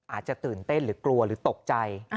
อาจจะตื่นเต้นหรือกลัวหรือตกใจ